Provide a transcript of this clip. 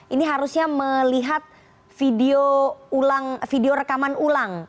ini harusnya melihat video rekaman ulang